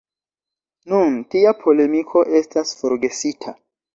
Nun tia polemiko estas forgesita.